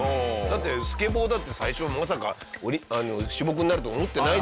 だってスケボーだって最初はまさか種目になると思ってないですからね。